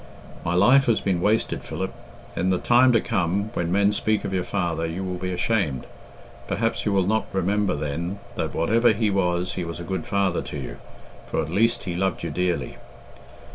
My life has been wasted, Philip. In the time to come, when men speak of your father, you will be ashamed. Perhaps you will not remember then that whatever he was he was a good father to you, for at least he loved you dearly.